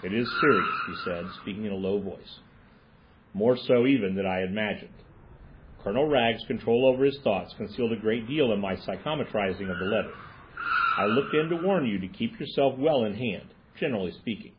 "It is serious," he said, speaking in a low voice, "more so even than I imagined. Colonel Wragge's control over his thoughts concealed a great deal in my psychometrising of the letter. I looked in to warn you to keep yourself well in hand—generally speaking."